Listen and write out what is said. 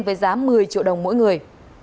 với giá một mươi triệu đồng mỗi người